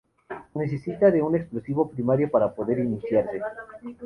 Necesitan de un explosivo primario para poder iniciarse.